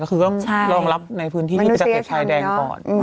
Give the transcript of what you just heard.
ก็คือก็รองรับในพื้นที่เป็นศักดิ์เศรษฐ์ชายแดงก่อน